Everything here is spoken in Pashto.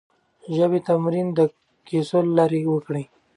د ژبې تمرين د کيسو له لارې وکړئ.